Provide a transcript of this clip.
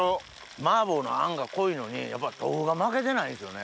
麻婆の餡が濃いのにやっぱり豆腐が負けてないんですよね。